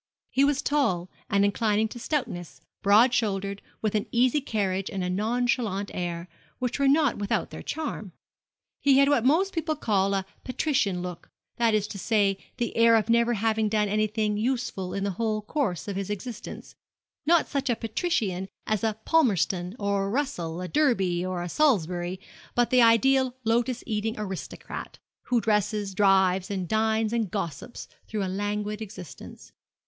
He was tall and inclining to stoutness, broad shouldered, and with an easy carriage and a nonchalant air, which were not without their charm. He had what most people called a patrician look that is to say the air of never having done anything useful in the whole course of his existence not such a patrician as a Palmerston, a Russell, a Derby, or a Salisbury, but the ideal lotus eating aristocrat, who dresses, drives, and dines and gossips through a languid existence.